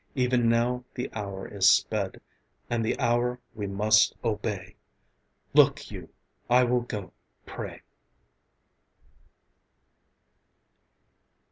Even now the hour is sped, And the hour we must obey Look you, I will go pray!